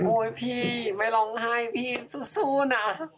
พี่ไม่ร้องไห้พี่สู้นะ